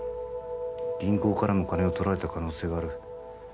銀行からも金を取られた可能性がある